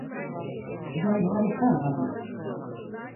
Дарью Александровну?